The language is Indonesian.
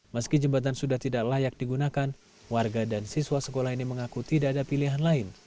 meski jembatan sudah tidak layak digunakan warga dan siswa sekolah ini mengaku tidak ada pilihan lain